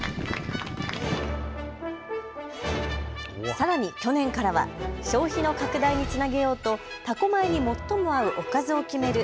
さらに去年からは消費の拡大につなげようと多古米に最も合うおかずを決める